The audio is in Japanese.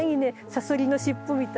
サソリの尻尾みたいに。